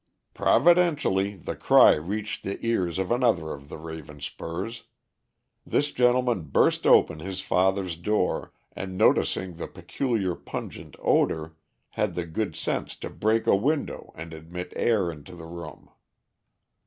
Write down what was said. "'Providentially the cry reached the ears of another of the Ravenspurs. This gentleman burst open his father's door, and noticing the peculiar, pungent odor, had the good sense to break a window and admit air into the room.